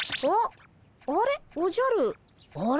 あれ？